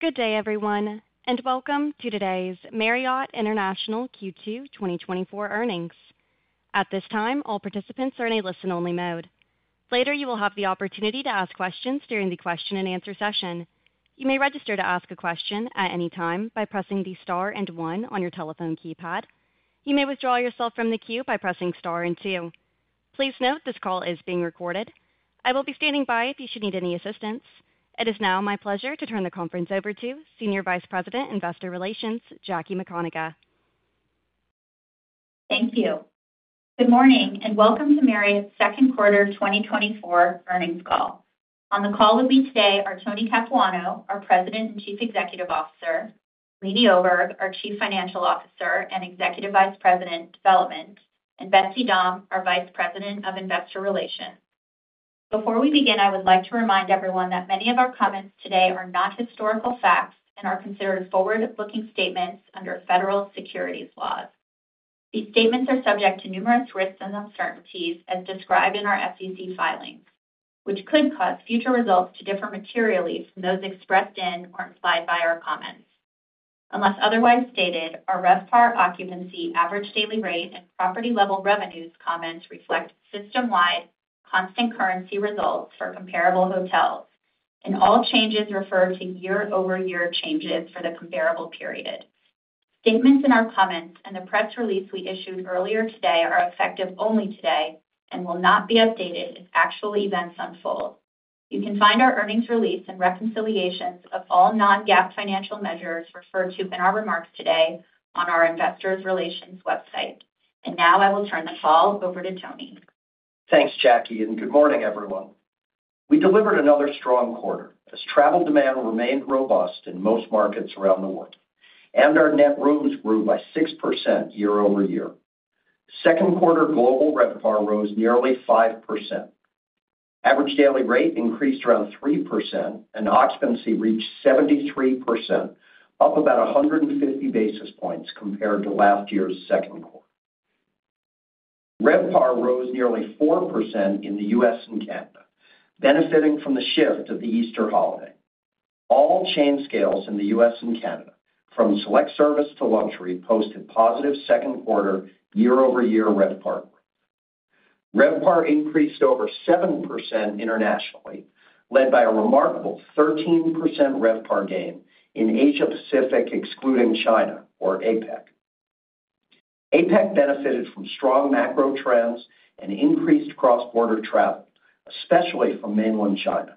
Good day, everyone, and welcome to today's Marriott International Q2 2024 earnings. At this time, all participants are in a listen-only mode. Later, you will have the opportunity to ask questions during the question-and-answer session. You may register to ask a question at any time by pressing the star and 1 on your telephone keypad. You may withdraw yourself from the queue by pressing star and 2. Please note this call is being recorded. I will be standing by if you should need any assistance. It is now my pleasure to turn the conference over to Senior Vice President, Investor Relations, Jackie McConagha. Thank you. Good morning and welcome to Marriott's second quarter 2024 earnings call. On the call with me today are Tony Capuano, our President and Chief Executive Officer, Leeny Oberg, our Chief Financial Officer and Executive Vice President, Development, and Betsy Dahm, our Vice President of Investor Relations. Before we begin, I would like to remind everyone that many of our comments today are not historical facts and are considered forward-looking statements under federal securities laws. These statements are subject to numerous risks and uncertainties, as described in our SEC filings, which could cause future results to differ materially from those expressed in or implied by our comments. Unless otherwise stated, our RevPAR Occupancy Average Daily Rate and Property Level Revenues comments reflect system-wide constant currency results for comparable hotels, and all changes refer to year-over-year changes for the comparable period. Statements in our comments and the press release we issued earlier today are effective only today and will not be updated if actual events unfold. You can find our earnings release and reconciliations of all non-GAAP financial measures referred to in our remarks today on our Investor Relations website. Now I will turn the call over to Tony. Thanks, Jackie, and good morning, everyone. We delivered another strong quarter as travel demand remained robust in most markets around the world, and our net rooms grew by 6% year-over-year. Second quarter global RevPAR rose nearly 5%. Average daily rate increased around 3%, and occupancy reached 73%, up about 150 basis points compared to last year's second quarter. RevPAR rose nearly 4% in the U.S. and Canada, benefiting from the shift of the Easter holiday. All chain scales in the U.S. and Canada, from select service to luxury, posted positive second quarter year-over-year RevPAR growth. RevPAR increased over 7% internationally, led by a remarkable 13% RevPAR gain in Asia-Pacific excluding China, or APEC. APEC benefited from strong macro trends and increased cross-border travel, especially from mainland China.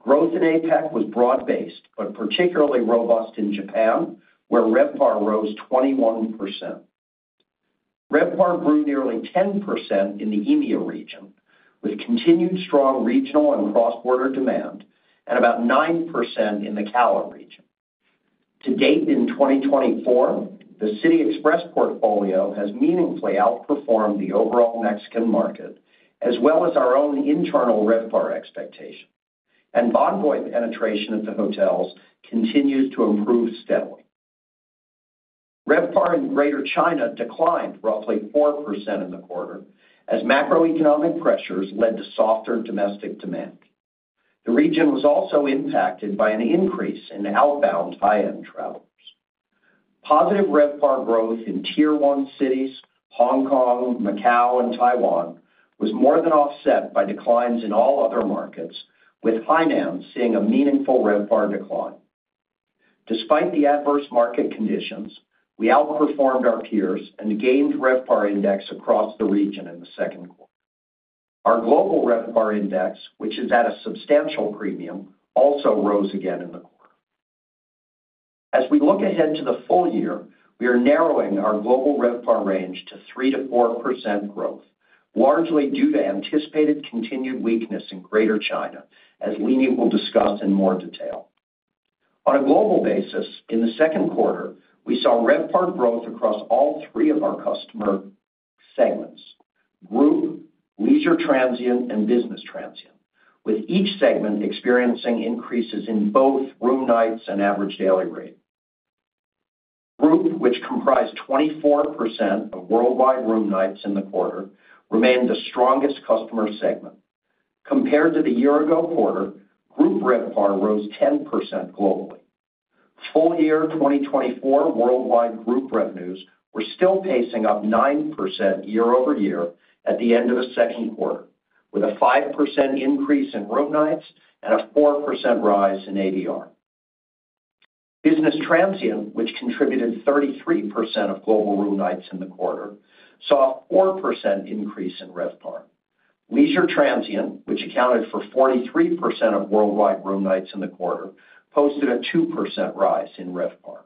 Growth in APEC was broad-based but particularly robust in Japan, where RevPAR rose 21%. RevPAR grew nearly 10% in the EMEA region, with continued strong regional and cross-border demand, and about 9% in the CALA region. To date in 2024, the City Express portfolio has meaningfully outperformed the overall Mexican market, as well as our own internal RevPAR expectation, and Bonvoy penetration at the hotels continues to improve steadily. RevPAR in Greater China declined roughly 4% in the quarter as macroeconomic pressures led to softer domestic demand. The region was also impacted by an increase in outbound high-end travelers. Positive RevPAR growth in Tier 1 cities, Hong Kong, Macau, and Taiwan, was more than offset by declines in all other markets, with high-end seeing a meaningful RevPAR decline. Despite the adverse market conditions, we outperformed our peers and gained RevPAR index across the region in the second quarter. Our global RevPAR index, which is at a substantial premium, also rose again in the quarter. As we look ahead to the full year, we are narrowing our global RevPAR range to 3%-4% growth, largely due to anticipated continued weakness in Greater China, as Leeny will discuss in more detail. On a global basis, in the second quarter, we saw RevPAR growth across all three of our customer segments: group, leisure transient, and business transient, with each segment experiencing increases in both room nights and average daily rate. Group, which comprised 24% of worldwide room nights in the quarter, remained the strongest customer segment. Compared to the year-ago quarter, group RevPAR rose 10% globally. Full year 2024 worldwide group revenues were still pacing up 9% year-over-year at the end of the second quarter, with a 5% increase in room nights and a 4% rise in ADR. Business transient, which contributed 33% of global room nights in the quarter, saw a 4% increase in RevPAR. Leisure transient, which accounted for 43% of worldwide room nights in the quarter, posted a 2% rise in RevPAR.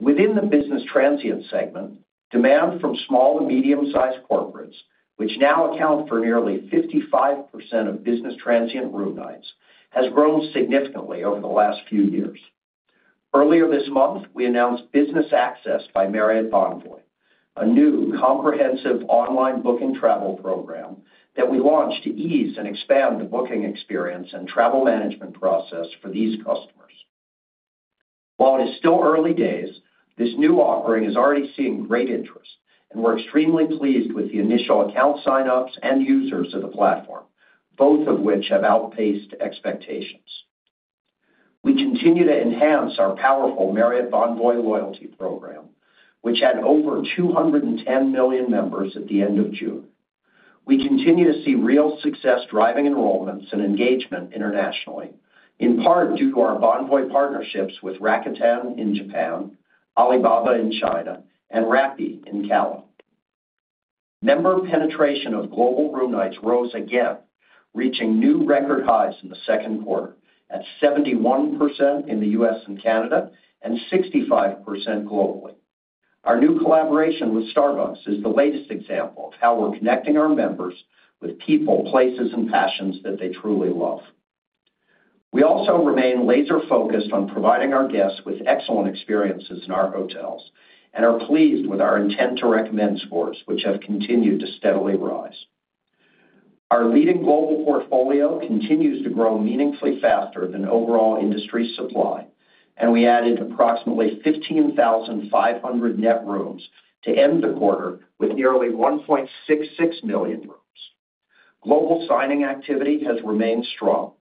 Within the business transient segment, demand from small to medium-sized corporates, which now account for nearly 55% of business transient room nights, has grown significantly over the last few years. Earlier this month, we announced Business Access by Marriott Bonvoy, a new comprehensive online booking travel program that we launched to ease and expand the booking experience and travel management process for these customers. While it is still early days, this new offering is already seeing great interest, and we're extremely pleased with the initial account sign-ups and users of the platform, both of which have outpaced expectations. We continue to enhance our powerful Marriott Bonvoy loyalty program, which had over 210 million members at the end of June. We continue to see real success driving enrollments and engagement internationally, in part due to our Bonvoy partnerships with Rakuten in Japan, Alibaba in China, and Rappi in CALA. Member penetration of global room nights rose again, reaching new record highs in the second quarter at 71% in the U.S. and Canada and 65% globally. Our new collaboration with Starbucks is the latest example of how we're connecting our members with people, places, and passions that they truly love. We also remain laser-focused on providing our guests with excellent experiences in our hotels and are pleased with our intent to recommend scores, which have continued to steadily rise. Our leading global portfolio continues to grow meaningfully faster than overall industry supply, and we added approximately 15,500 net rooms to end the quarter with nearly 1.66 million rooms. Global signing activity has remained strong.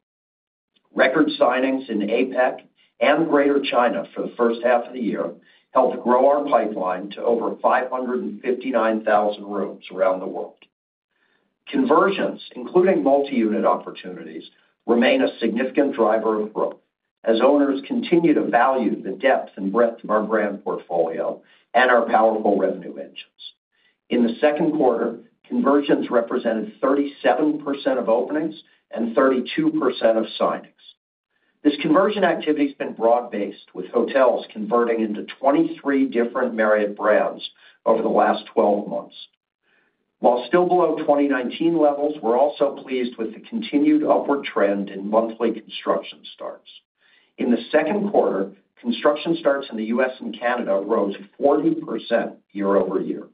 Record signings in APEC and Greater China for the first half of the year helped grow our pipeline to over 559,000 rooms around the world. Conversions, including multi-unit opportunities, remain a significant driver of growth as owners continue to value the depth and breadth of our brand portfolio and our powerful revenue engines. In the second quarter, conversions represented 37% of openings and 32% of signings. This conversion activity has been broad-based, with hotels converting into 23 different Marriott brands over the last 12 months. While still below 2019 levels, we're also pleased with the continued upward trend in monthly construction starts. In the second quarter, construction starts in the U.S. and Canada rose 40% year-over-year.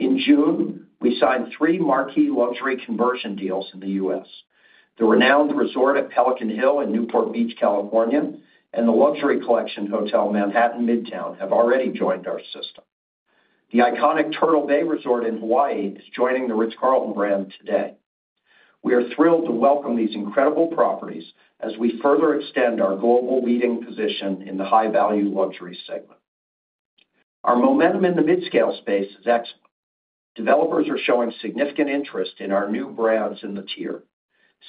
In June, we signed three marquee luxury conversion deals in the U.S. The renowned Resort at Pelican Hill in Newport Beach, California, and the Luxury Collection Hotel Manhattan Midtown have already joined our system. The iconic Turtle Bay Resort in Hawaii is joining the Ritz-Carlton brand today. We are thrilled to welcome these incredible properties as we further extend our global leading position in the high-value luxury segment. Our momentum in the midscale space is excellent. Developers are showing significant interest in our new brands in the tier: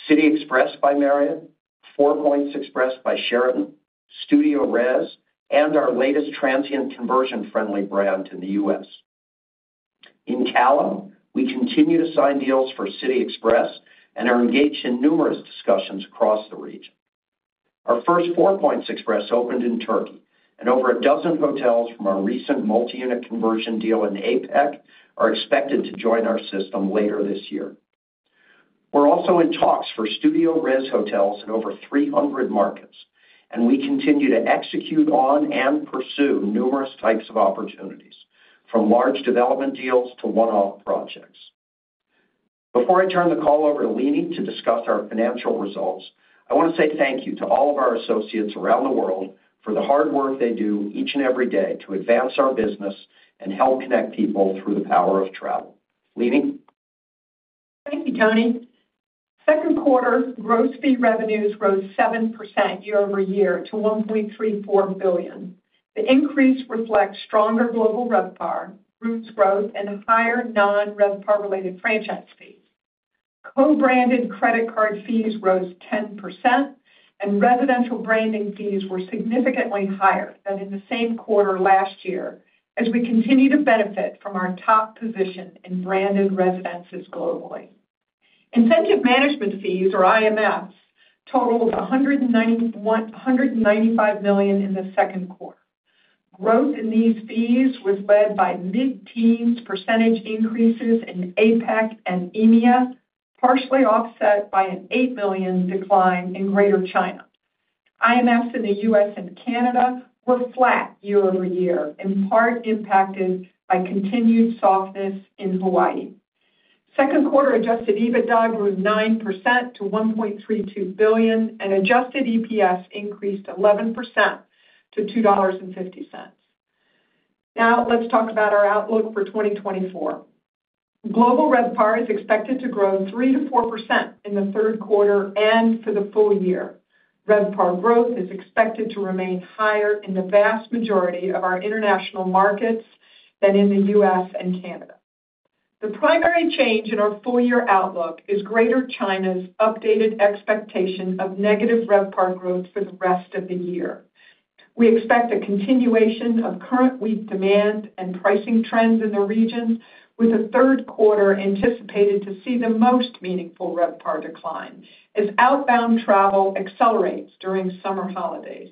City Express by Marriott, Four Points Express by Sheraton, StudioRes, and our latest transient conversion-friendly brand in the U.S. In CALA, we continue to sign deals for City Express and are engaged in numerous discussions across the region. Our first Four Points Express opened in Turkey, and over a dozen hotels from our recent multi-unit conversion deal in APEC are expected to join our system later this year. We're also in talks for StudioRes hotels in over 300 markets, and we continue to execute on and pursue numerous types of opportunities, from large development deals to one-off projects. Before I turn the call over to Leeny to discuss our financial results, I want to say thank you to all of our associates around the world for the hard work they do each and every day to advance our business and help connect people through the power of travel. Leeny. Thank you, Tony. Second quarter, gross fee revenues rose 7% year-over-year to $1.34 billion. The increase reflects stronger global RevPAR, rooms growth, and higher non-RevPAR-related franchise fees. Co-branded credit card fees rose 10%, and residential branding fees were significantly higher than in the same quarter last year, as we continue to benefit from our top position in branded residences globally. Incentive management fees, or IMFs, totaled $195 million in the second quarter. Growth in these fees was led by mid-teens % increases in APEC and EMEA, partially offset by an $8 million decline in Greater China. IMFs in the U.S. and Canada were flat year-over-year, in part impacted by continued softness in Hawaii. Second quarter adjusted EBITDA grew 9% to $1.32 billion, and adjusted EPS increased 11% to $2.50. Now let's talk about our outlook for 2024. Global RevPAR is expected to grow 3%-4% in the third quarter and for the full year. RevPAR growth is expected to remain higher in the vast majority of our international markets than in the U.S. and Canada. The primary change in our full-year outlook is Greater China's updated expectation of negative RevPAR growth for the rest of the year. We expect a continuation of current weak demand and pricing trends in the region, with the third quarter anticipated to see the most meaningful RevPAR decline as outbound travel accelerates during summer holidays.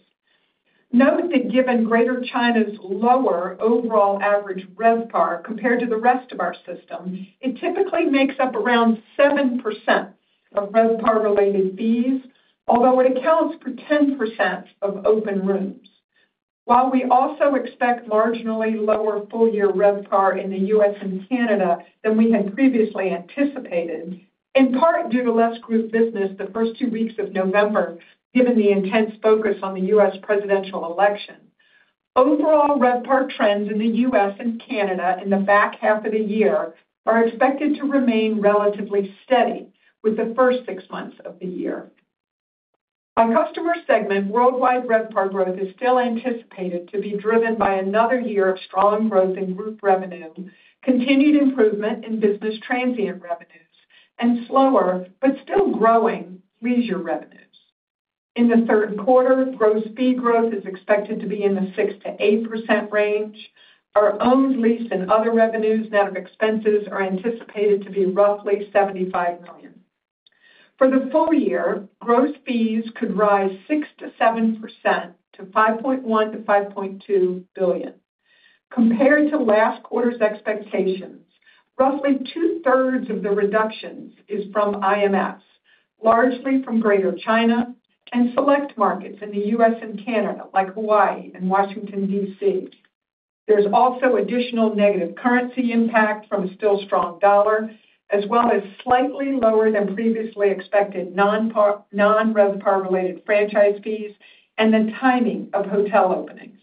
Note that given Greater China's lower overall average RevPAR compared to the rest of our system, it typically makes up around 7% of RevPAR-related fees, although it accounts for 10% of open rooms. While we also expect marginally lower full-year RevPAR in the U.S. and Canada than we had previously anticipated, in part due to less group business the first two weeks of November, given the intense focus on the U.S. presidential election, overall RevPAR trends in the U.S. and Canada in the back half of the year are expected to remain relatively steady with the first six months of the year. By customer segment, worldwide RevPAR growth is still anticipated to be driven by another year of strong growth in group revenue, continued improvement in business transient revenues, and slower but still growing leisure revenues. In the third quarter, gross fee growth is expected to be in the 6%-8% range. Our owned lease and other revenues net of expenses are anticipated to be roughly $75 million. For the full year, gross fees could rise 6%-7% to $5.1 billion-$5.2 billion. Compared to last quarter's expectations, roughly two-thirds of the reductions is from IMFs, largely from Greater China, and select markets in the U.S. and Canada, like Hawaii and Washington, D.C. There's also additional negative currency impact from a still strong dollar, as well as slightly lower than previously expected non-RevPAR-related franchise fees and the timing of hotel openings.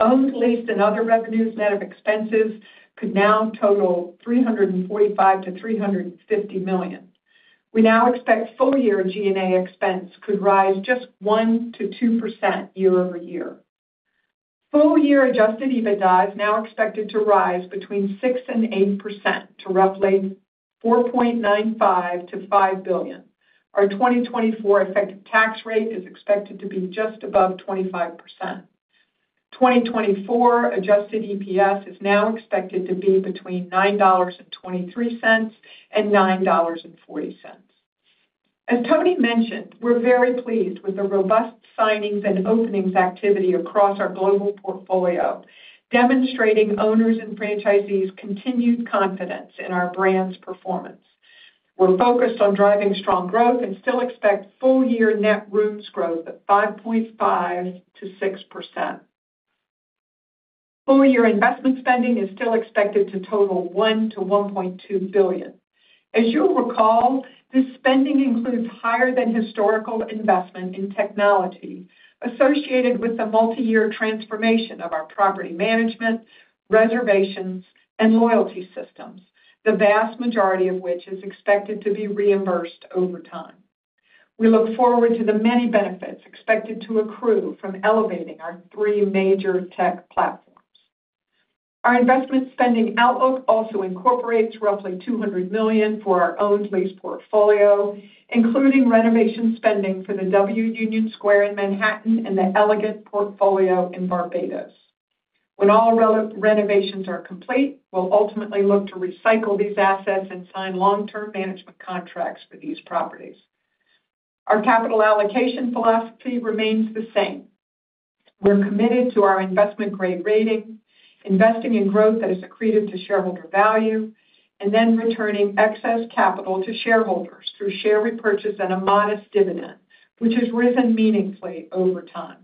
Owned lease and other revenues net of expenses could now total $345 million-$350 million. We now expect full-year G&A expense could rise just 1%-2% year-over-year. Full-year adjusted EBITDA is now expected to rise between 6%-8% to roughly $4.95 billion-$5 billion. Our 2024 effective tax rate is expected to be just above 25%. 2024 adjusted EPS is now expected to be between $9.23 and $9.40. As Tony mentioned, we're very pleased with the robust signings and openings activity across our global portfolio, demonstrating owners and franchisees' continued confidence in our brand's performance. We're focused on driving strong growth and still expect full-year net rooms growth of 5.5%-6%. Full-year investment spending is still expected to total $1 billion-$1.2 billion. As you'll recall, this spending includes higher-than-historical investment in technology associated with the multi-year transformation of our property management, reservations, and loyalty systems, the vast majority of which is expected to be reimbursed over time. We look forward to the many benefits expected to accrue from elevating our three major tech platforms. Our investment spending outlook also incorporates roughly $200 million for our owned lease portfolio, including renovation spending for the W Union Square in Manhattan and the Elegant portfolio in Barbados. When all renovations are complete, we'll ultimately look to recycle these assets and sign long-term management contracts for these properties. Our capital allocation philosophy remains the same. We're committed to our investment-grade rating, investing in growth that is accretive to shareholder value, and then returning excess capital to shareholders through share repurchase and a modest dividend, which has risen meaningfully over time.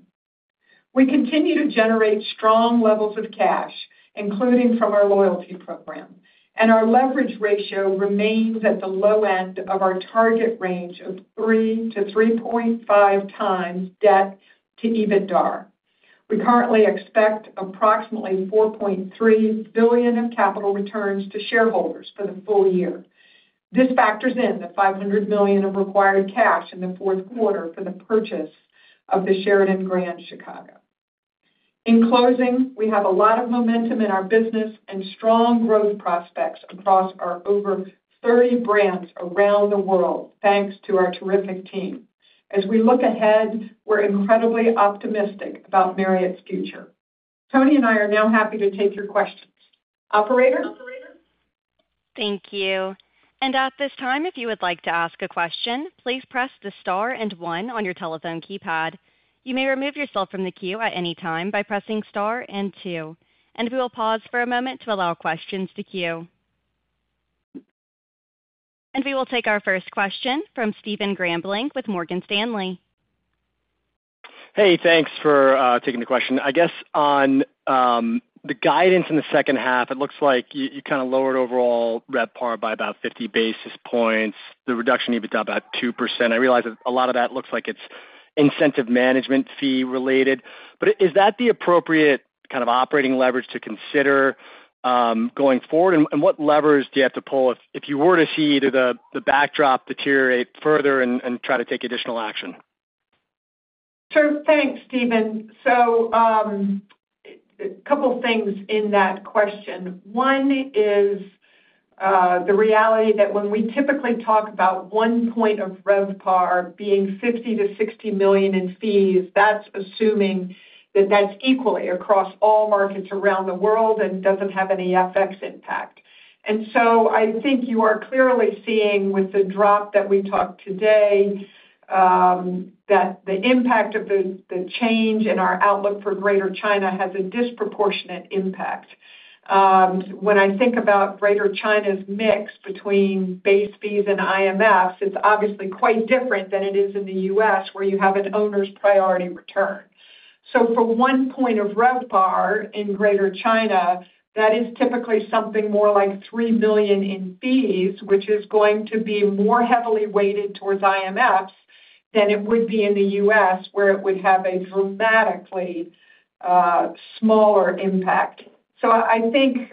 We continue to generate strong levels of cash, including from our loyalty program, and our leverage ratio remains at the low end of our target range of 3-3.5 times debt to EBITDA. We currently expect approximately $4.3 billion of capital returns to shareholders for the full year. This factors in the $500 million of required cash in the fourth quarter for the purchase of the Sheraton Grand Chicago. In closing, we have a lot of momentum in our business and strong growth prospects across our over 30 brands around the world, thanks to our terrific team. As we look ahead, we're incredibly optimistic about Marriott's future. Tony and I are now happy to take your questions. Operator? Thank you. At this time, if you would like to ask a question, please press the star and one on your telephone keypad. You may remove yourself from the queue at any time by pressing star and two. We will pause for a moment to allow questions to queue. We will take our first question from Stephen Grambling with Morgan Stanley. Hey, thanks for taking the question. I guess on the guidance in the second half, it looks like you kind of lowered overall RevPAR by about 50 basis points. The reduction in EBITDA is about 2%. I realize that a lot of that looks like it's incentive management fee-related. But is that the appropriate kind of operating leverage to consider going forward? And what levers do you have to pull if you were to see the backdrop deteriorate further and try to take additional action? Sure. Thanks, Stephen. So a couple of things in that question. One is the reality that when we typically talk about one point of RevPAR being $50 million-$60 million in fees, that's assuming that that's equally across all markets around the world and doesn't have any FX impact. And so I think you are clearly seeing with the drop that we talked today that the impact of the change in our outlook for Greater China has a disproportionate impact. When I think about Greater China's mix between base fees and IMFs, it's obviously quite different than it is in the U.S., where you have an owner's priority return. So for one point of RevPAR in Greater China, that is typically something more like $3 million in fees, which is going to be more heavily weighted towards IMFs than it would be in the U.S., where it would have a dramatically smaller impact. So I think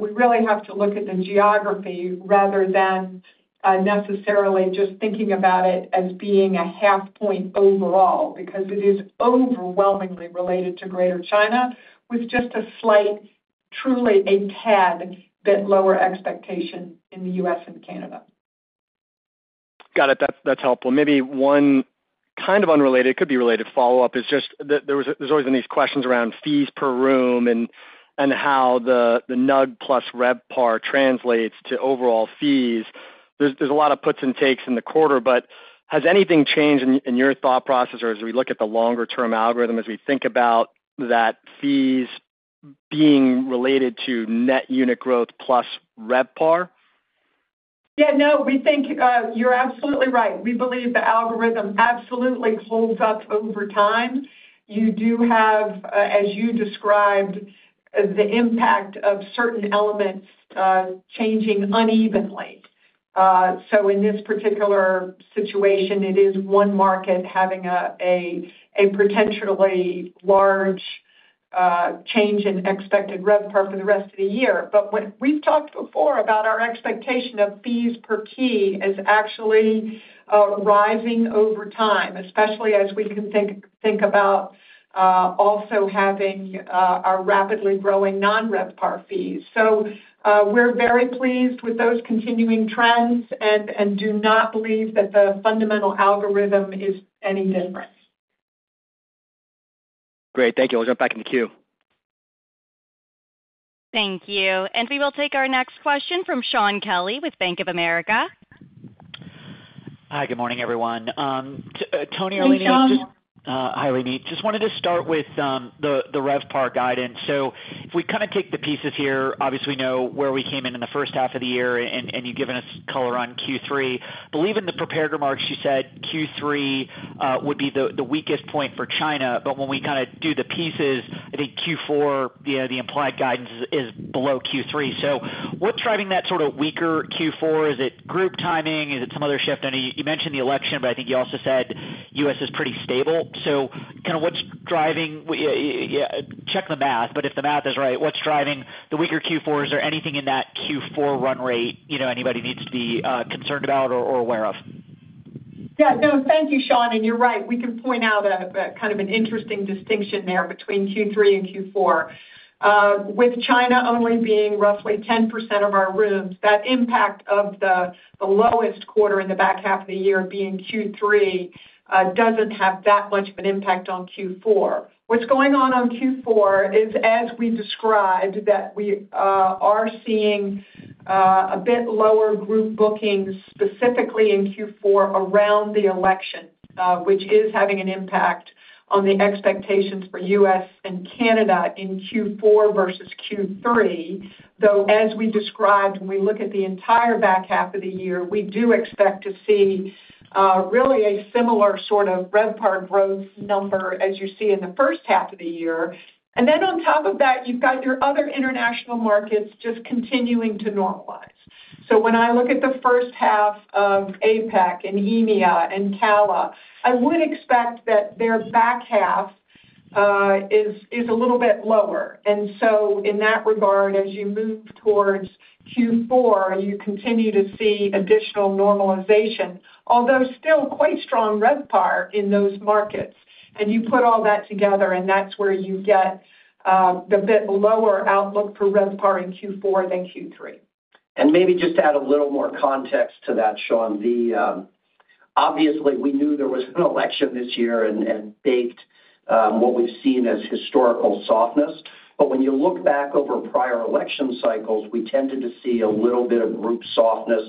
we really have to look at the geography rather than necessarily just thinking about it as being a 0.5 point overall because it is overwhelmingly related to Greater China, with just a slight, truly a tad bit lower expectation in the U.S. and Canada. Got it. That's helpful. Maybe one kind of unrelated, it could be related follow-up, is just there's always been these questions around fees per room and how the NUG plus RevPAR translates to overall fees. There's a lot of puts and takes in the quarter, but has anything changed in your thought process or as we look at the longer-term algorithm as we think about that fees being related to net unit growth plus RevPAR? Yeah. No, we think you're absolutely right. We believe the algorithm absolutely holds up over time. You do have, as you described, the impact of certain elements changing unevenly. So in this particular situation, it is one market having a potentially large change in expected RevPAR for the rest of the year. But what we've talked before about our expectation of fees per key is actually rising over time, especially as we can think about also having our rapidly growing non-RevPAR fees. So we're very pleased with those continuing trends and do not believe that the fundamental algorithm is any different. Great. Thank you. I'll jump back in the queue. Thank you. We will take our next question from Shaun Kelley with Bank of America. Hi. Good morning, everyone. Tony or Leeny Oberg? Hi, Sean. Hi, Leeny. Just wanted to start with the RevPAR guidance. So if we kind of take the pieces here, obviously we know where we came in in the first half of the year, and you've given us color on Q3. I believe in the prepared remarks, you said Q3 would be the weakest point for China. But when we kind of do the pieces, I think Q4, the implied guidance is below Q3. So what's driving that sort of weaker Q4? Is it group timing? Is it some other shift? I know you mentioned the election, but I think you also said the U.S. is pretty stable. So kind of what's driving? Check the math, but if the math is right, what's driving the weaker Q4? Is there anything in that Q4 run rate anybody needs to be concerned about or aware of? Yeah. No, thank you, Sean. And you're right. We can point out kind of an interesting distinction there between Q3 and Q4. With China only being roughly 10% of our rooms, that impact of the lowest quarter in the back half of the year being Q3 doesn't have that much of an impact on Q4. What's going on on Q4 is, as we described, that we are seeing a bit lower group bookings specifically in Q4 around the election, which is having an impact on the expectations for U.S. and Canada in Q4 versus Q3. Though as we described, when we look at the entire back half of the year, we do expect to see really a similar sort of RevPAR growth number as you see in the first half of the year. And then on top of that, you've got your other international markets just continuing to normalize. So when I look at the first half of APAC and EMEA and CALA, I would expect that their back half is a little bit lower. And so in that regard, as you move towards Q4, you continue to see additional normalization, although still quite strong RevPAR in those markets. And you put all that together, and that's where you get a bit lower outlook for RevPAR in Q4 than Q3. Maybe just add a little more context to that, Shaun. Obviously, we knew there was an election this year and baked what we've seen as historical softness. But when you look back over prior election cycles, we tended to see a little bit of group softness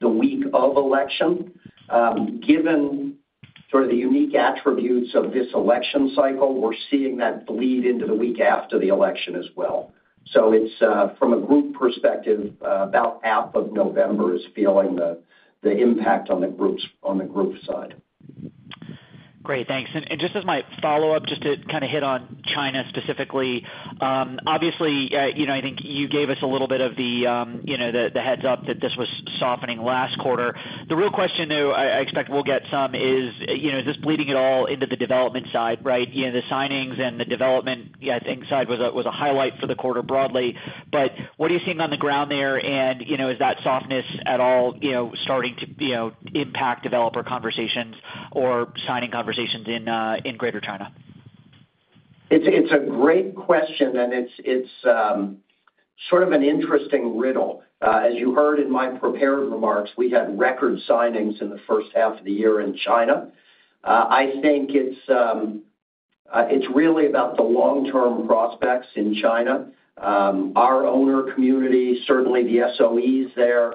the week of election. Given sort of the unique attributes of this election cycle, we're seeing that bleed into the week after the election as well. From a group perspective, about half of November is feeling the impact on the group side. Great. Thanks. And just as my follow-up, just to kind of hit on China specifically, obviously, I think you gave us a little bit of the heads-up that this was softening last quarter. The real question though, I expect we'll get some, is this bleeding at all into the development side, right? The signings and the development side was a highlight for the quarter broadly. But what are you seeing on the ground there? And is that softness at all starting to impact developer conversations or signing conversations in Greater China? It's a great question, and it's sort of an interesting riddle. As you heard in my prepared remarks, we had record signings in the first half of the year in China. I think it's really about the long-term prospects in China. Our owner community, certainly the SOEs there,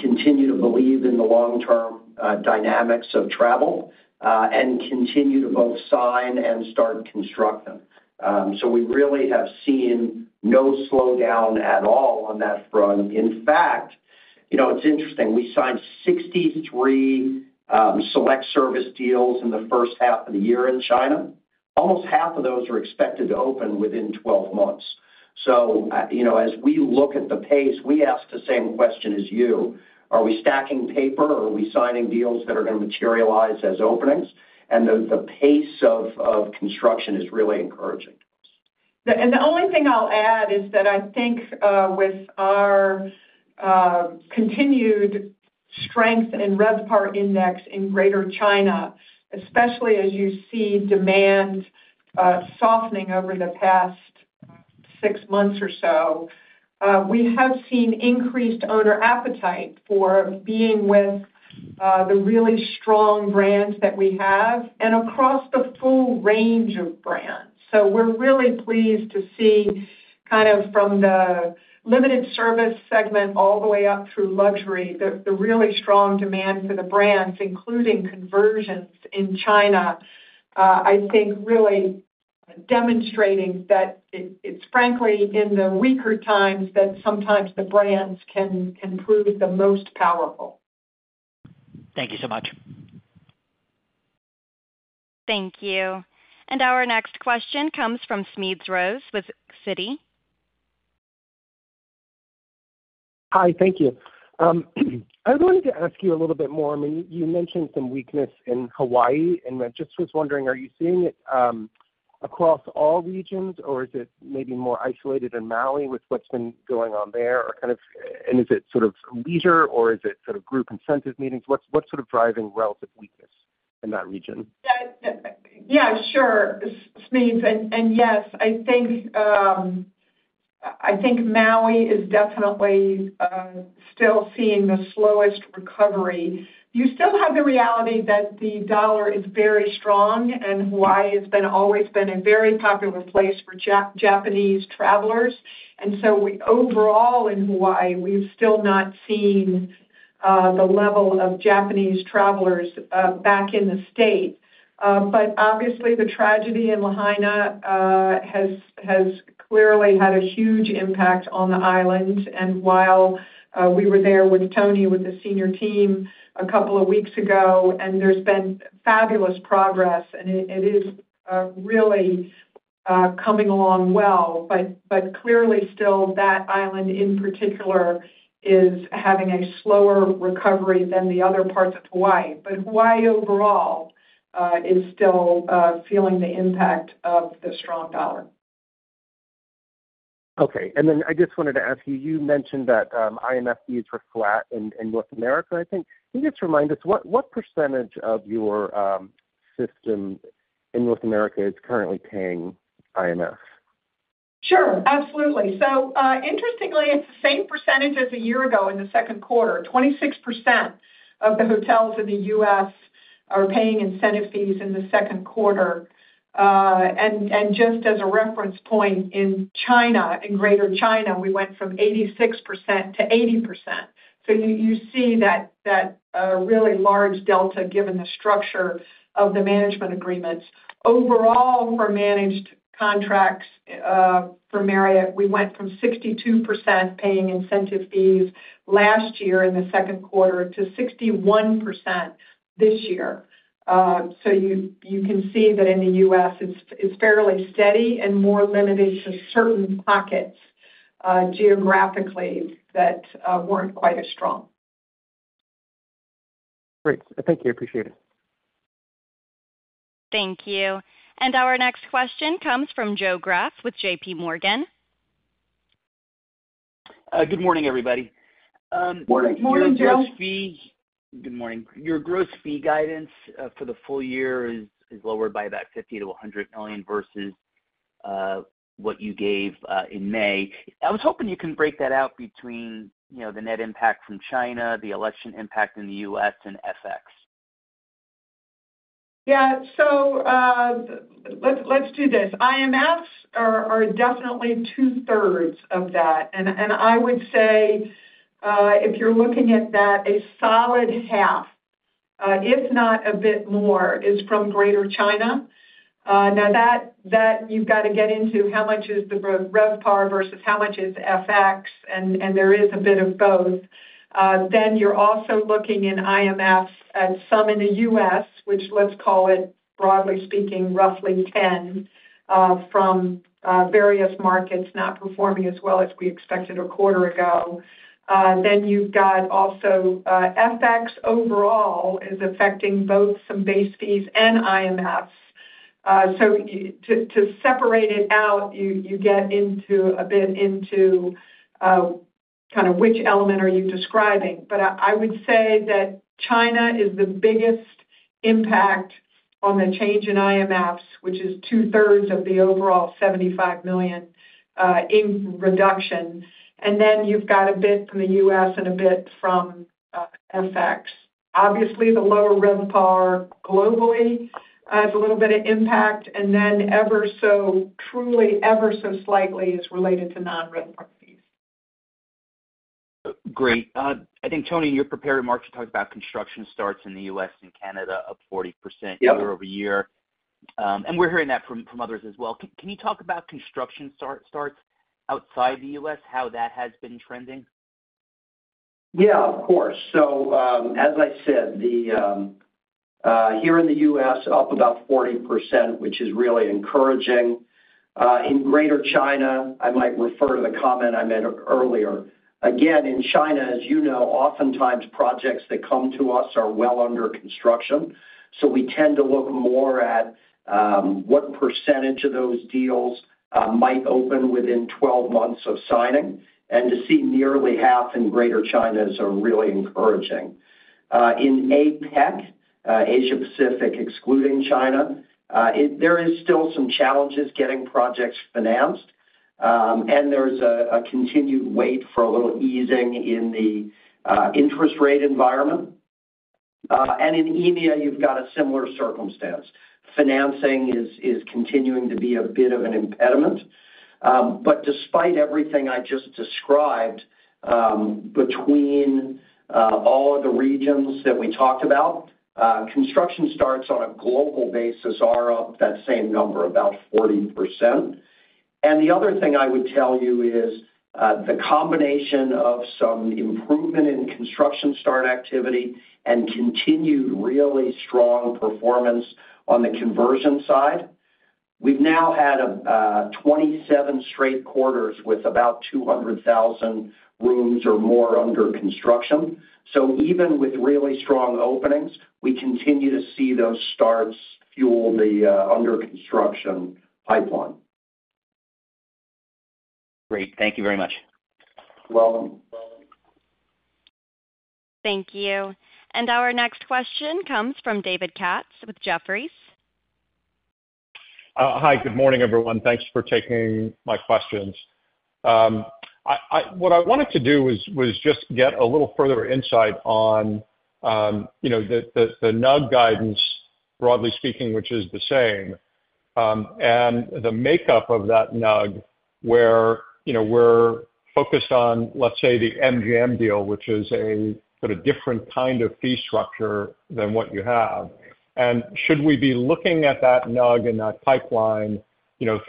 continue to believe in the long-term dynamics of travel and continue to both sign and start constructing. So we really have seen no slowdown at all on that front. In fact, it's interesting. We signed 63 select service deals in the first half of the year in China. Almost half of those are expected to open within 12 months. So as we look at the pace, we ask the same question as you. Are we stacking paper? Are we signing deals that are going to materialize as openings? And the pace of construction is really encouraging. The only thing I'll add is that I think with our continued strength in RevPAR Index in Greater China, especially as you see demand softening over the past six months or so, we have seen increased owner appetite for being with the really strong brands that we have and across the full range of brands. We're really pleased to see kind of from the limited service segment all the way up through luxury, the really strong demand for the brands, including conversions in China, I think really demonstrating that it's frankly in the weaker times that sometimes the brands can prove the most powerful. Thank you so much. Thank you. And our next question comes from Smedes Rose with Citi. Hi. Thank you. I wanted to ask you a little bit more. I mean, you mentioned some weakness in Hawaii, and I just was wondering, are you seeing it across all regions, or is it maybe more isolated in Maui with what's been going on there? And is it sort of leisure, or is it sort of group incentive meetings? What's sort of driving relative weakness in that region? Yeah. Sure. Smedes. And yes, I think Maui is definitely still seeing the slowest recovery. You still have the reality that the dollar is very strong, and Hawaii has always been a very popular place for Japanese travelers. And so overall in Hawaii, we've still not seen the level of Japanese travelers back in the state. But obviously, the tragedy in Lahaina has clearly had a huge impact on the island. And while we were there with Tony with the senior team a couple of weeks ago, and there's been fabulous progress, and it is really coming along well, but clearly still that island in particular is having a slower recovery than the other parts of Hawaii. But Hawaii overall is still feeling the impact of the strong dollar. Okay. And then I just wanted to ask you, you mentioned that IMF fees were flat in North America. I think you just remind us what percentage of your system in North America is currently paying IMF? Sure. Absolutely. So interestingly, it's the same percentage as a year ago in the second quarter. 26% of the hotels in the U.S. are paying incentive fees in the second quarter. And just as a reference point, in Greater China, we went from 86% to 80%. So you see that really large delta given the structure of the management agreements. Overall, for managed contracts for Marriott, we went from 62% paying incentive fees last year in the second quarter to 61% this year. So you can see that in the U.S., it's fairly steady and more limited to certain pockets geographically that weren't quite as strong. Great. Thank you. Appreciate it. Thank you. Our next question comes from Joe Greff with J.P. Morgan. Good morning, everybody. Morning, Joe. Your gross fee guidance for the full year is lower by about $50 million-$100 million versus what you gave in May. I was hoping you can break that out between the net impact from China, the election impact in the U.S., and FX. Yeah. So let's do this. IMFs are definitely two-thirds of that. And I would say if you're looking at that, a solid half, if not a bit more, is from Greater China. Now, that you've got to get into how much is the RevPAR versus how much is FX, and there is a bit of both. Then you're also looking in IMFs at some in the U.S., which let's call it, broadly speaking, roughly $10 million from various markets not performing as well as we expected a quarter ago. Then you've got also FX overall is affecting both some base fees and IMFs. So to separate it out, you get a bit into kind of which element are you describing. But I would say that China is the biggest impact on the change in IMFs, which is two-thirds of the overall $75 million reduction. And then you've got a bit from the U.S. and a bit from FX. Obviously, the lower RevPAR globally has a little bit of impact. And then ever so truly, ever so slightly is related to non-RevPAR fees. Great. I think, Tony, in your prepared remarks, you talked about construction starts in the U.S. and Canada up 40% year-over-year. We're hearing that from others as well. Can you talk about construction starts outside the U.S., how that has been trending? Yeah, of course. So as I said, here in the U.S., up about 40%, which is really encouraging. In Greater China, I might refer to the comment I made earlier. Again, in China, as you know, oftentimes projects that come to us are well under construction. So we tend to look more at what percentage of those deals might open within 12 months of signing. And to see nearly half in Greater China is really encouraging. In APEC, Asia-Pacific excluding China, there are still some challenges getting projects financed. And there's a continued wait for a little easing in the interest rate environment. And in EMEA, you've got a similar circumstance. Financing is continuing to be a bit of an impediment. But despite everything I just described between all of the regions that we talked about, construction starts on a global basis are up that same number, about 40%. The other thing I would tell you is the combination of some improvement in construction start activity and continued really strong performance on the conversion side. We've now had 27 straight quarters with about 200,000 rooms or more under construction. Even with really strong openings, we continue to see those starts fuel the under construction pipeline. Great. Thank you very much. You're welcome. Thank you. Our next question comes from David Katz with Jefferies. Hi. Good morning, everyone. Thanks for taking my questions. What I wanted to do was just get a little further insight on the NUG guidance, broadly speaking, which is the same. And the makeup of that NUG, where we're focused on, let's say, the MGM deal, which is a sort of different kind of fee structure than what you have. And should we be looking at that NUG and that pipeline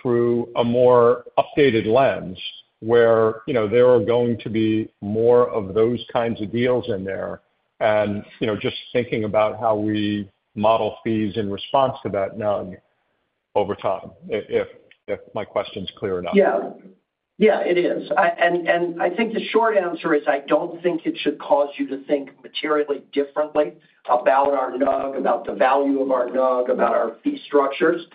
through a more updated lens where there are going to be more of those kinds of deals in there? And just thinking about how we model fees in response to that NUG over time, if my question's clear enough. Yeah. Yeah, it is. And I think the short answer is I don't think it should cause you to think materially differently about our NUG, about the value of our NUG, about our fee structures.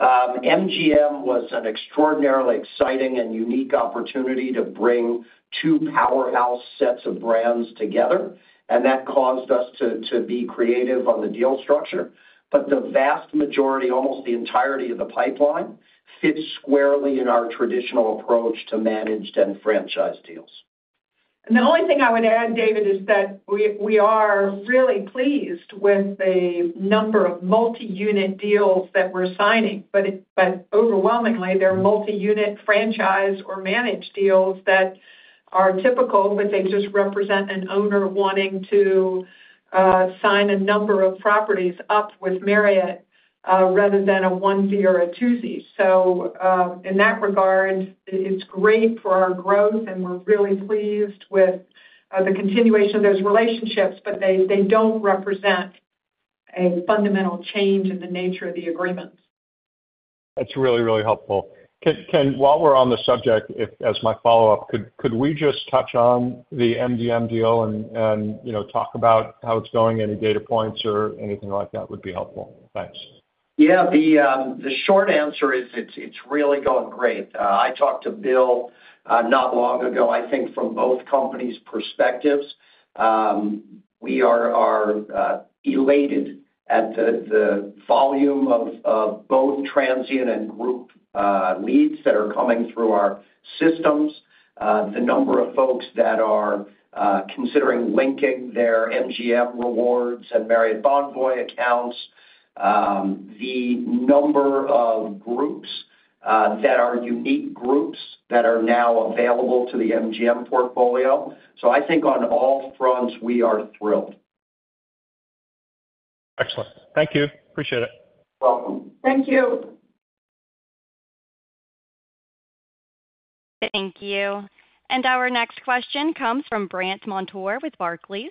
MGM was an extraordinarily exciting and unique opportunity to bring two powerhouse sets of brands together. And that caused us to be creative on the deal structure. But the vast majority, almost the entirety of the pipeline, fits squarely in our traditional approach to managed and franchise deals. The only thing I would add, David, is that we are really pleased with the number of multi-unit deals that we're signing. But overwhelmingly, they're multi-unit franchise or managed deals that are typical, but they just represent an owner wanting to sign a number of properties up with Marriott rather than a onesie or a twosie. So in that regard, it's great for our growth, and we're really pleased with the continuation of those relationships, but they don't represent a fundamental change in the nature of the agreements. That's really, really helpful. While we're on the subject, as my follow-up, could we just touch on the MGM deal and talk about how it's going? Any data points or anything like that would be helpful. Thanks. Yeah. The short answer is it's really going great. I talked to Bill not long ago, I think, from both companies' perspectives. We are elated at the volume of both transient and group leads that are coming through our systems, the number of folks that are considering linking their MGM Rewards and Marriott Bonvoy accounts, the number of groups that are unique groups that are now available to the MGM portfolio. So I think on all fronts, we are thrilled. Excellent. Thank you. Appreciate it. You're welcome. Thank you. Thank you. Our next question comes from Brandt Montour with Barclays.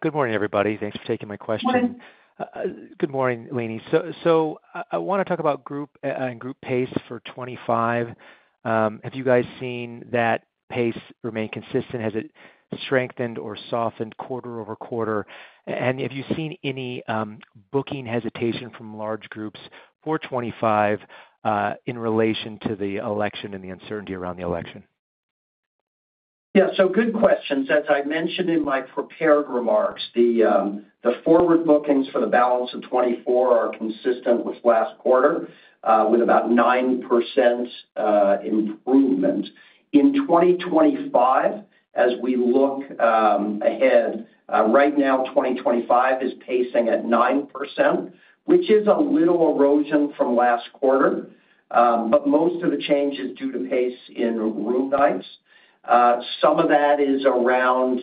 Good morning, everybody. Thanks for taking my question. Morning. Good morning, Leeny. I want to talk about group pace for 2025. Have you guys seen that pace remain consistent? Has it strengthened or softened quarter-over-quarter? And have you seen any booking hesitation from large groups for 2025 in relation to the election and the uncertainty around the election? Yeah. So good questions. As I mentioned in my prepared remarks, the forward bookings for the balance of 2024 are consistent with last quarter, with about 9% improvement. In 2025, as we look ahead, right now, 2025 is pacing at 9%, which is a little erosion from last quarter. But most of the change is due to pace in room nights. Some of that is around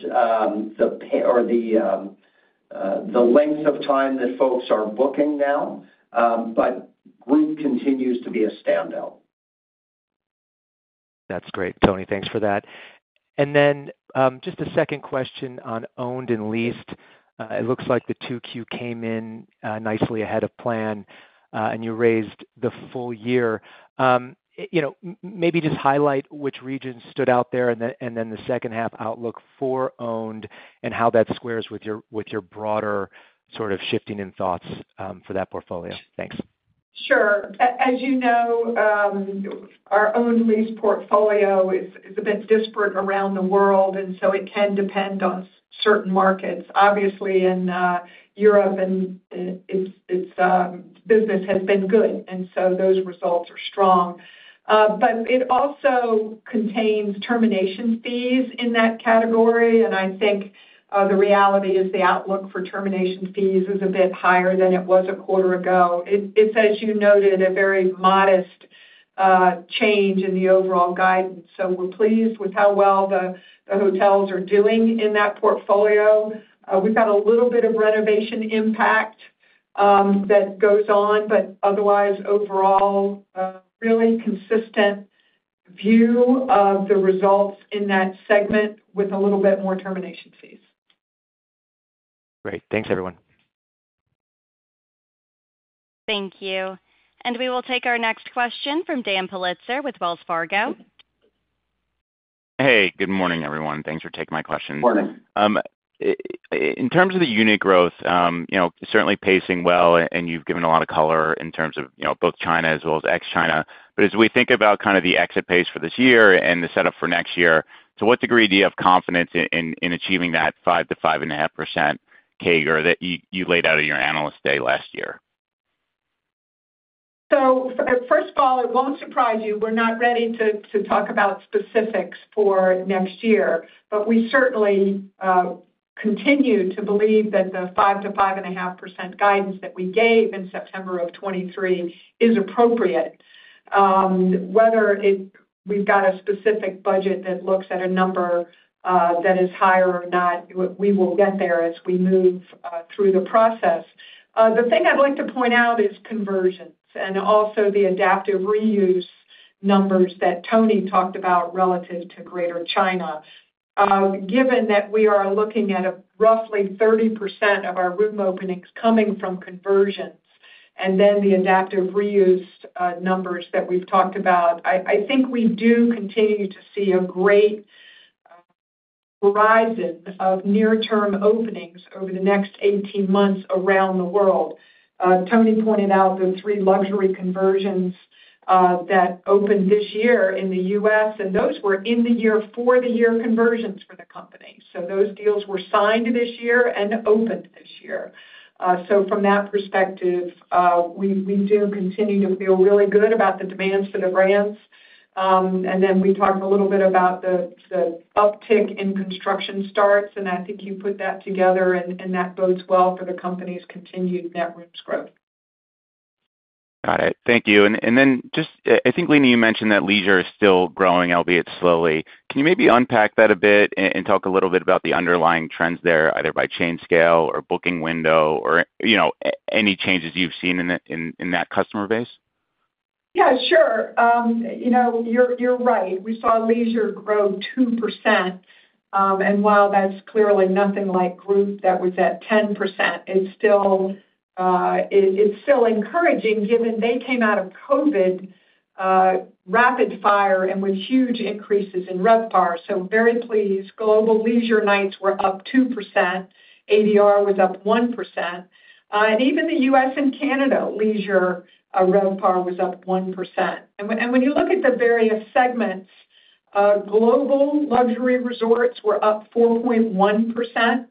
the length of time that folks are booking now, but group continues to be a standout. That's great, Tony. Thanks for that. Then just a second question on owned and leased. It looks like the 2Q came in nicely ahead of plan, and you raised the full year. Maybe just highlight which regions stood out there and then the second-half outlook for owned and how that squares with your broader sort of shifting in thoughts for that portfolio. Thanks. Sure. As you know, our owned lease portfolio is a bit disparate around the world, and so it can depend on certain markets. Obviously, in Europe, its business has been good, and so those results are strong. It also contains termination fees in that category. I think the reality is the outlook for termination fees is a bit higher than it was a quarter ago. It's, as you noted, a very modest change in the overall guidance. We're pleased with how well the hotels are doing in that portfolio. We've got a little bit of renovation impact that goes on, but otherwise, overall, really consistent view of the results in that segment with a little bit more termination fees. Great. Thanks, everyone. Thank you. We will take our next question from Daan Politzer with Wells Fargo. Hey. Good morning, everyone. Thanks for taking my question. Good morning. In terms of the unit growth, certainly pacing well, and you've given a lot of color in terms of both China as well as ex-China. But as we think about kind of the exit pace for this year and the setup for next year, to what degree do you have confidence in achieving that 5%-5.5% CAGR that you laid out in your analyst day last year? So first of all, it won't surprise you. We're not ready to talk about specifics for next year, but we certainly continue to believe that the 5%-5.5% guidance that we gave in September of 2023 is appropriate. Whether we've got a specific budget that looks at a number that is higher or not, we will get there as we move through the process. The thing I'd like to point out is conversions and also the adaptive reuse numbers that Tony talked about relative to Greater China. Given that we are looking at roughly 30% of our room openings coming from conversions and then the adaptive reuse numbers that we've talked about, I think we do continue to see a great horizon of near-term openings over the next 18 months around the world. Tony pointed out the three luxury conversions that opened this year in the U.S., and those were in-the-year, for-the-year conversions for the company. So those deals were signed this year and opened this year. So from that perspective, we do continue to feel really good about the demands for the brands. And then we talked a little bit about the uptick in construction starts, and I think you put that together, and that bodes well for the company's continued net rooms growth. Got it. Thank you. And then just I think, Leeny, you mentioned that leisure is still growing, albeit slowly. Can you maybe unpack that a bit and talk a little bit about the underlying trends there, either by chain scale or booking window or any changes you've seen in that customer base? Yeah, sure. You're right. We saw leisure grow 2%. And while that's clearly nothing like group that was at 10%, it's still encouraging given they came out of COVID rapid fire and with huge increases in RevPAR. So very pleased. Global leisure nights were up 2%. ADR was up 1%. And even the U.S. and Canada leisure RevPAR was up 1%. And when you look at the various segments, global luxury resorts were up 4.1%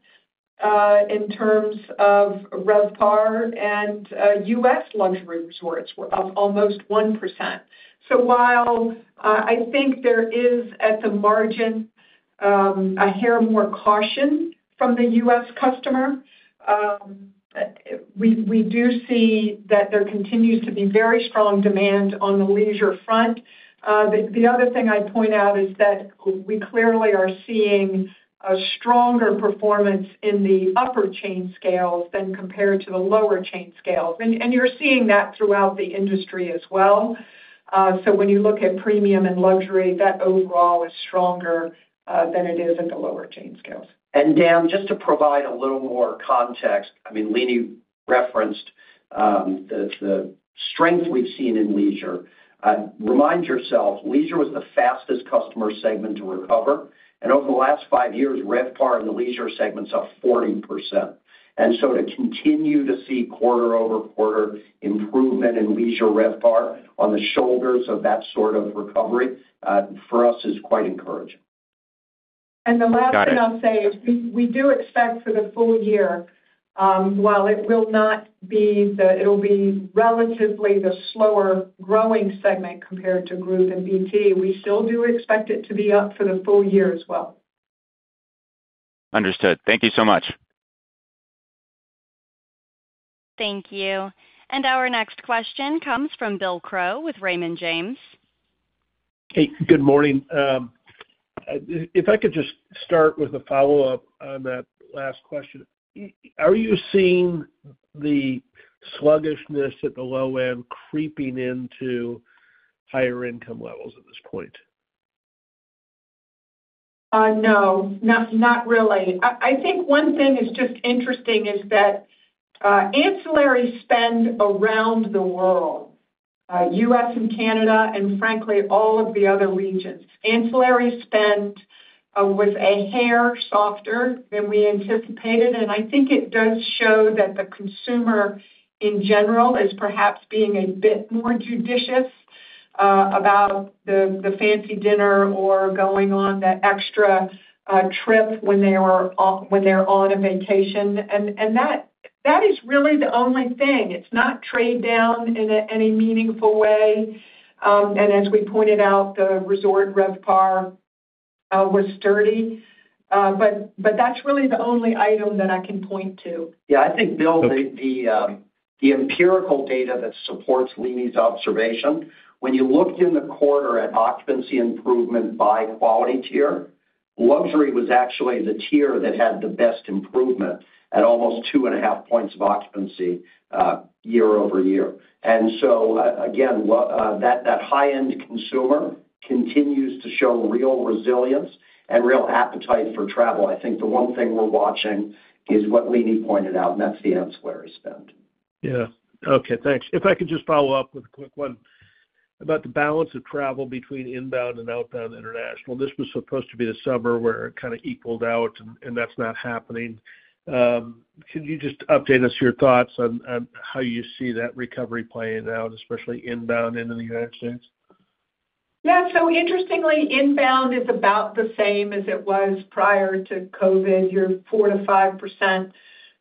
in terms of RevPAR, and U.S. luxury resorts were up almost 1%. So while I think there is, at the margin, a hair more caution from the U.S. customer, we do see that there continues to be very strong demand on the leisure front. The other thing I'd point out is that we clearly are seeing a stronger performance in the upper chain scales than compared to the lower chain scales. You're seeing that throughout the industry as well. So when you look at premium and luxury, that overall is stronger than it is at the lower Chain Scales. Dan, just to provide a little more context, I mean, Leeny referenced the strength we've seen in leisure. Remind yourself, leisure was the fastest customer segment to recover. And over the last five years, RevPAR in the leisure segment's up 40%. And so to continue to see quarter-over-quarter improvement in leisure RevPAR on the shoulders of that sort of recovery for us is quite encouraging. The last thing I'll say is we do expect for the full year, while it will not be, it'll be relatively the slower growing segment compared to group and BT, we still do expect it to be up for the full year as well. Understood. Thank you so much. Thank you. And our next question comes from Bill Crow with Raymond James. Hey, good morning. If I could just start with a follow-up on that last question. Are you seeing the sluggishness at the low end creeping into higher income levels at this point? No. Not really. I think one thing is just interesting is that ancillary spend around the world, U.S. and Canada and, frankly, all of the other regions, ancillary spend was a hair softer than we anticipated. And I think it does show that the consumer in general is perhaps being a bit more judicious about the fancy dinner or going on that extra trip when they're on a vacation. And that is really the only thing. It's not trade down in any meaningful way. And as we pointed out, the resort RevPAR was sturdy. But that's really the only item that I can point to. Yeah. I think, Bill, the empirical data that supports Leeny's observation, when you looked in the quarter at occupancy improvement by quality tier, luxury was actually the tier that had the best improvement at almost 2.5 points of occupancy year-over-year. And so, again, that high-end consumer continues to show real resilience and real appetite for travel. I think the one thing we're watching is what Leeny pointed out, and that's the ancillary spend. Yeah. Okay. Thanks. If I could just follow up with a quick one about the balance of travel between inbound and outbound international. This was supposed to be the summer where it kind of equaled out, and that's not happening. Could you just update us your thoughts on how you see that recovery playing out, especially inbound into the United States? Yeah. So interestingly, inbound is about the same as it was prior to COVID. You're 4%-5%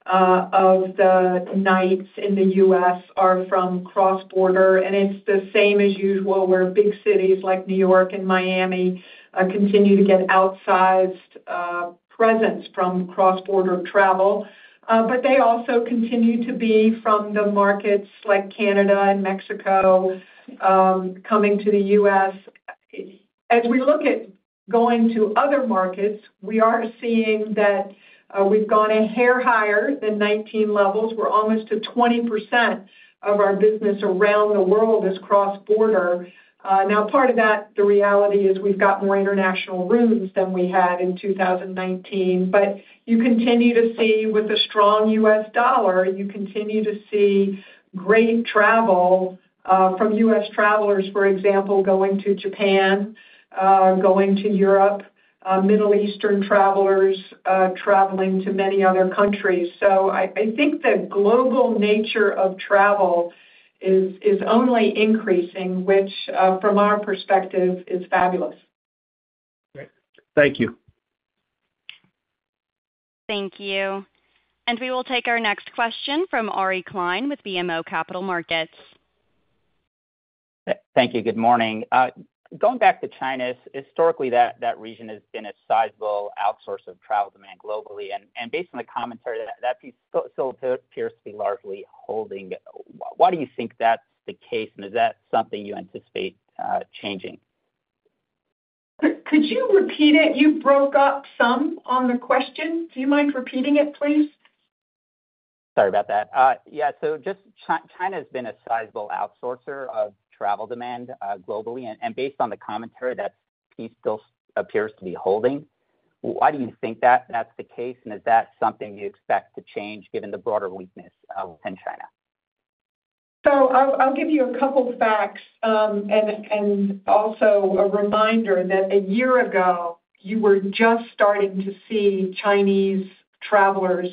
of the nights in the U.S. are from cross-border. And it's the same as usual where big cities like New York and Miami continue to get outsized presence from cross-border travel. But they also continue to be from the markets like Canada and Mexico coming to the U.S. As we look at going to other markets, we are seeing that we've gone a hair higher than 2019 levels. We're almost to 20% of our business around the world is cross-border. Now, part of that, the reality is we've got more international rooms than we had in 2019. But you continue to see with a strong U.S. dollar, you continue to see great travel from U.S. Travelers, for example, going to Japan, going to Europe, Middle Eastern travelers traveling to many other countries. So I think the global nature of travel is only increasing, which from our perspective is fabulous. Great. Thank you. Thank you. We will take our next question from Ari Klein with BMO Capital Markets. Thank you. Good morning. Going back to China, historically, that region has been a sizable outsource of travel demand globally. Based on the commentary, that piece still appears to be largely holding. Why do you think that's the case, and is that something you anticipate changing? Could you repeat it? You broke up some on the question. Do you mind repeating it, please? Sorry about that. Yeah. So just China has been a sizable outsourcer of travel demand globally. And based on the commentary, that piece still appears to be holding. Why do you think that that's the case, and is that something you expect to change given the broader weakness within China? So I'll give you a couple of facts and also a reminder that a year ago, you were just starting to see Chinese travelers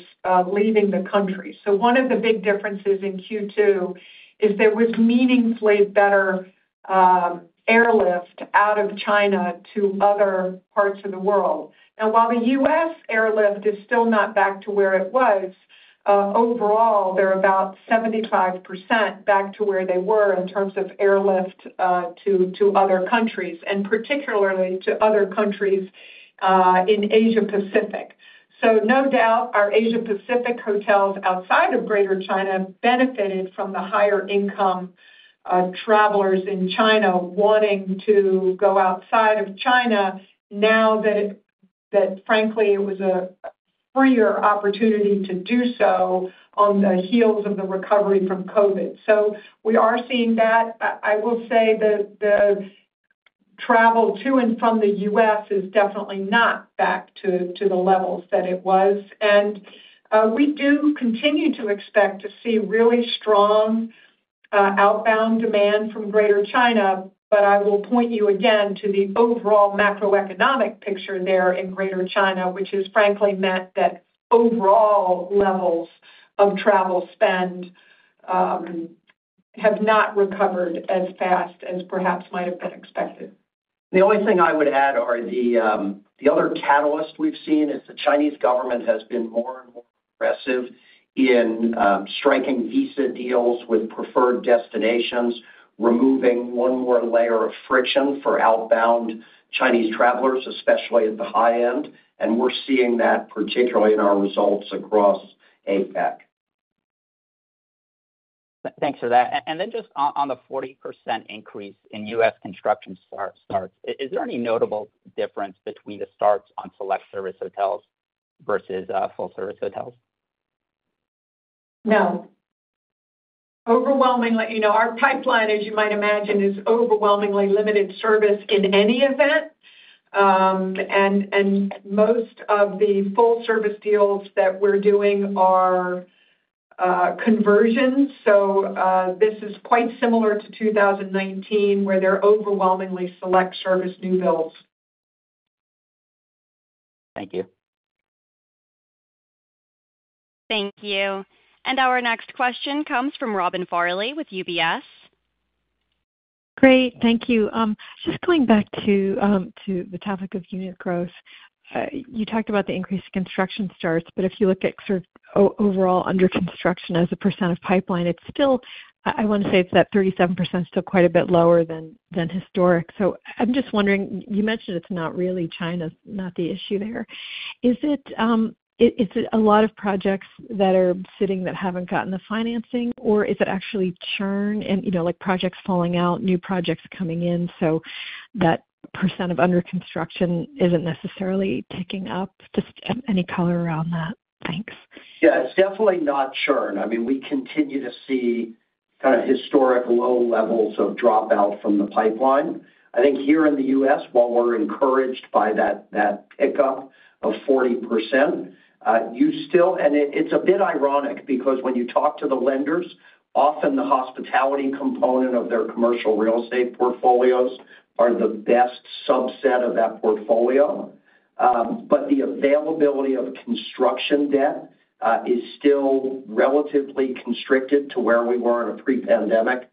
leaving the country. So one of the big differences in Q2 is there was meaningfully better airlift out of China to other parts of the world. Now, while the U.S. airlift is still not back to where it was, overall, they're about 75% back to where they were in terms of airlift to other countries, and particularly to other countries in Asia-Pacific. So no doubt, our Asia-Pacific hotels outside of Greater China benefited from the higher-income travelers in China wanting to go outside of China now that, frankly, it was a freer opportunity to do so on the heels of the recovery from COVID. So we are seeing that. I will say the travel to and from the U.S. is definitely not back to the levels that it was. We do continue to expect to see really strong outbound demand from Greater China. I will point you again to the overall macroeconomic picture there in Greater China, which has, frankly, meant that overall levels of travel spend have not recovered as fast as perhaps might have been expected. The only thing I would add are the other catalyst we've seen is the Chinese government has been more and more aggressive in striking visa deals with preferred destinations, removing one more layer of friction for outbound Chinese travelers, especially at the high end. And we're seeing that particularly in our results across APAC. Thanks for that. Then just on the 40% increase in U.S. construction starts, is there any notable difference between the starts on select service hotels versus full-service hotels? No. Overwhelmingly, our pipeline, as you might imagine, is overwhelmingly limited service in any event. And most of the full-service deals that we're doing are conversions. So this is quite similar to 2019 where they're overwhelmingly select service new builds. Thank you. Thank you. Our next question comes from Robin Farley with UBS. Great. Thank you. Just going back to the topic of unit growth, you talked about the increase in construction starts, but if you look at sort of overall under construction as a % of pipeline, it's still, I want to say it's that 37%, still quite a bit lower than historic. So I'm just wondering, you mentioned it's not really China's not the issue there. Is it a lot of projects that are sitting that haven't gotten the financing, or is it actually churn and projects falling out, new projects coming in so that % of under construction isn't necessarily ticking up? Just any color around that? Thanks. Yeah. It's definitely not churn. I mean, we continue to see kind of historic low levels of dropout from the pipeline. I think here in the U.S., while we're encouraged by that pickup of 40%, you still and it's a bit ironic because when you talk to the lenders, often the hospitality component of their commercial real estate portfolios are the best subset of that portfolio. But the availability of construction debt is still relatively constricted to where we were in a pre-pandemic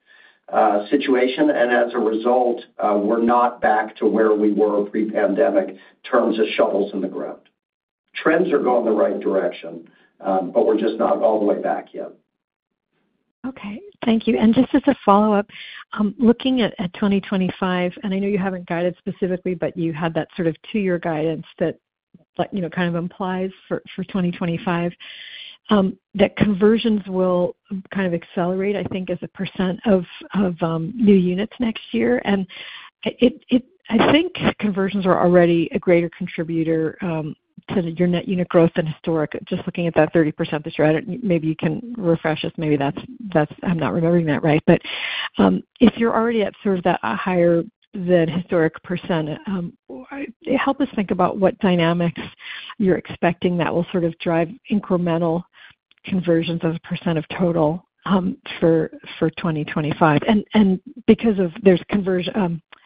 situation. And as a result, we're not back to where we were pre-pandemic in terms of shovels in the ground. Trends are going the right direction, but we're just not all the way back yet. Okay. Thank you. And just as a follow-up, looking at 2025, and I know you haven't guided specifically, but you had that sort of 2-year guidance that kind of implies for 2025 that conversions will kind of accelerate, I think, as a % of new units next year. And I think conversions are already a greater contributor to your net unit growth than historic. Just looking at that 30% this year, maybe you can refresh us. Maybe I'm not remembering that right. But if you're already at sort of that higher than historic %, help us think about what dynamics you're expecting that will sort of drive incremental conversions as a % of total for 2025. And because there's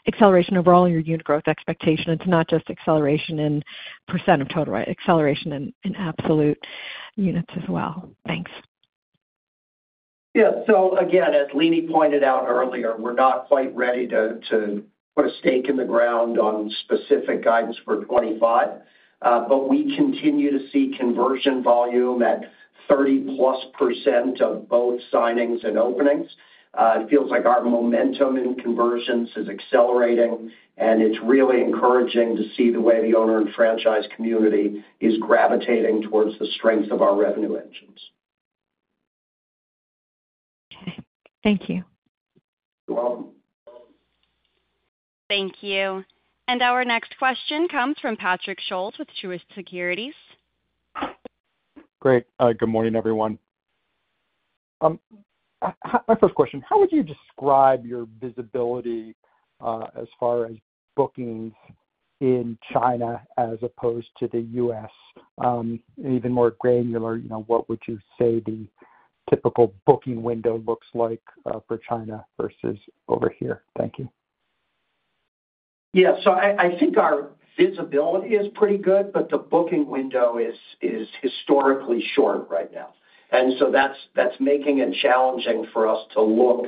acceleration overall in your unit growth expectation, it's not just acceleration in % of total, right? Acceleration in absolute units as well. Thanks. Yeah. So again, as Leeny pointed out earlier, we're not quite ready to put a stake in the ground on specific guidance for 2025. But we continue to see conversion volume at 30%+ of both signings and openings. It feels like our momentum in conversions is accelerating, and it's really encouraging to see the way the owner and franchise community is gravitating towards the strength of our revenue engines. Okay. Thank you. You're welcome. Thank you. And our next question comes from Patrick Scholes with Truist Securities. Great. Good morning, everyone. My first question, how would you describe your visibility as far as bookings in China as opposed to the U.S.? And even more granular, what would you say the typical booking window looks like for China versus over here? Thank you. Yeah. So I think our visibility is pretty good, but the booking window is historically short right now. And so that's making it challenging for us to look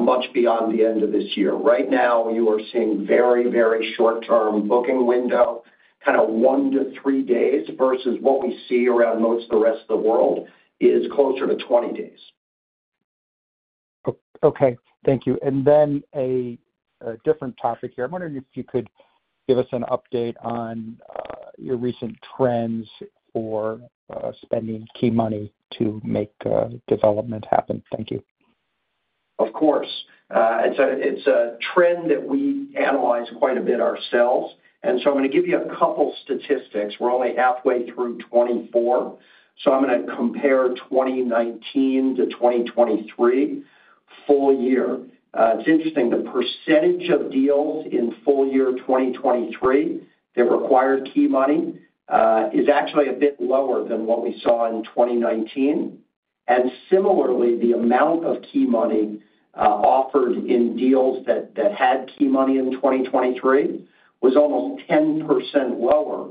much beyond the end of this year. Right now, you are seeing very, very short-term booking window, kind of 1-3 days versus what we see around most of the rest of the world is closer to 20 days. Okay. Thank you. Then a different topic here. I'm wondering if you could give us an update on your recent trends for spending key money to make development happen. Thank you. Of course. It's a trend that we analyze quite a bit ourselves. And so I'm going to give you a couple of statistics. We're only halfway through 2024. So I'm going to compare 2019 to 2023 full year. It's interesting. The percentage of deals in full year 2023 that required key money is actually a bit lower than what we saw in 2019. And similarly, the amount of key money offered in deals that had key money in 2023 was almost 10% lower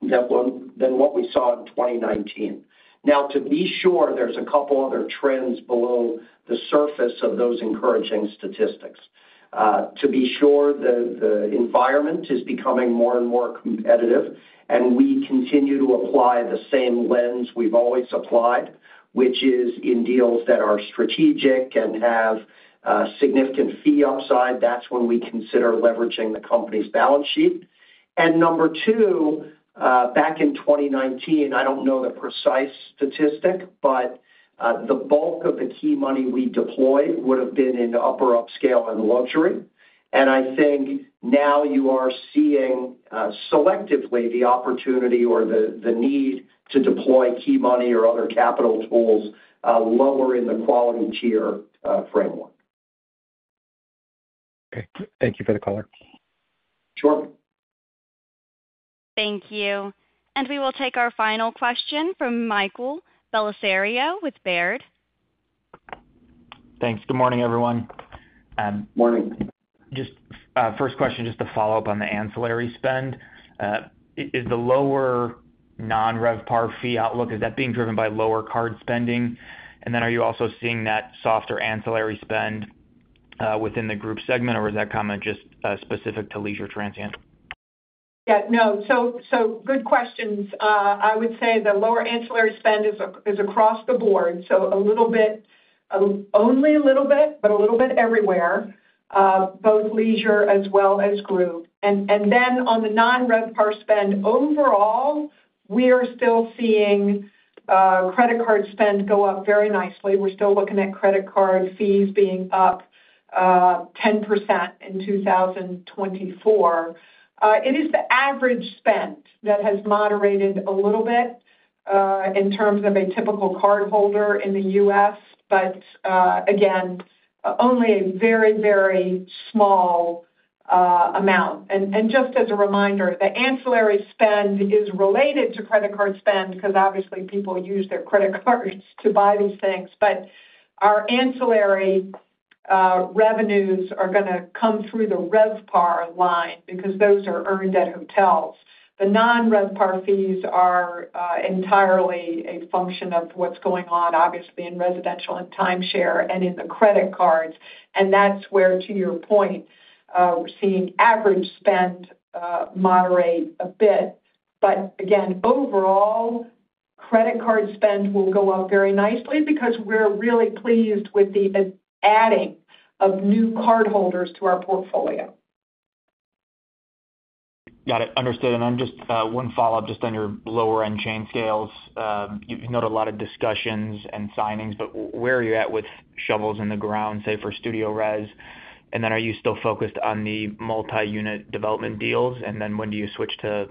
than what we saw in 2019. Now, to be sure, there's a couple of other trends below the surface of those encouraging statistics. To be sure, the environment is becoming more and more competitive. And we continue to apply the same lens we've always applied, which is in deals that are strategic and have significant fee upside. That's when we consider leveraging the company's balance sheet. Number two, back in 2019, I don't know the precise statistic, but the bulk of the key money we deployed would have been in upper upscale and luxury. I think now you are seeing selectively the opportunity or the need to deploy key money or other capital tools lower in the quality tier framework. Okay. Thank you for the caller. Sure. Thank you. We will take our final question from Michael Bellisario with Baird. Thanks. Good morning, everyone. Good morning. Just first question, just to follow up on the ancillary spend. Is the lower non-RevPAR fee outlook being driven by lower card spending? And then are you also seeing that softer ancillary spend within the group segment, or is that kind of just specific to leisure transient? Yeah. No. So good questions. I would say the lower ancillary spend is across the board. So a little bit, only a little bit, but a little bit everywhere, both leisure as well as group. And then on the non-RevPAR spend overall, we are still seeing credit card spend go up very nicely. We're still looking at credit card fees being up 10% in 2024. It is the average spend that has moderated a little bit in terms of a typical cardholder in the U.S., but again, only a very, very small amount. And just as a reminder, the ancillary spend is related to credit card spend because obviously people use their credit cards to buy these things. But our ancillary revenues are going to come through the RevPAR line because those are earned at hotels. The non-RevPAR fees are entirely a function of what's going on, obviously, in residential and timeshare and in the credit cards. That's where, to your point, we're seeing average spend moderate a bit. Again, overall, credit card spend will go up very nicely because we're really pleased with the adding of new cardholders to our portfolio. Got it. Understood. And then just one follow-up, just on your lower-end chain scales. You've noted a lot of discussions and signings, but where are you at with shovels in the ground, say, for StudioRes? And then are you still focused on the multi-unit development deals? And then when do you switch to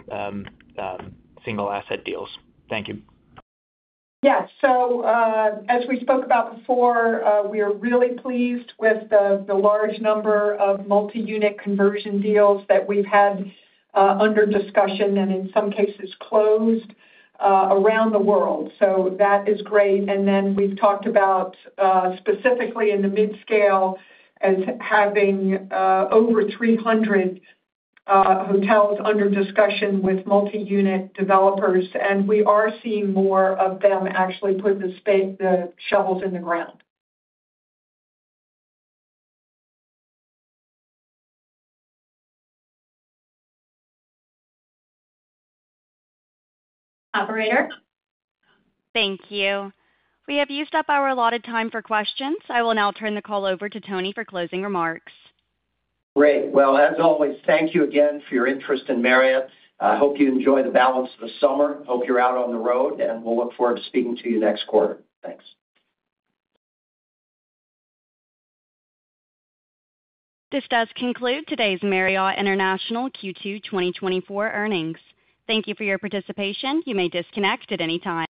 single-asset deals? Thank you. Yeah. So as we spoke about before, we are really pleased with the large number of multi-unit conversion deals that we've had under discussion and in some cases closed around the world. So that is great. And then we've talked about specifically in the mid-scale as having over 300 hotels under discussion with multi-unit developers. And we are seeing more of them actually put the shovels in the ground. Thank you. We have used up our allotted time for questions. I will now turn the call over to Tony for closing remarks. Great. Well, as always, thank you again for your interest in Marriott. I hope you enjoy the balance of the summer. Hope you're out on the road. We'll look forward to speaking to you next quarter. Thanks. This does conclude today's Marriott International Q2 2024 earnings. Thank you for your participation. You may disconnect at any time.